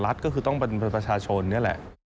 รัฐก็คือต้องเป็นประชาชนนี่แหละ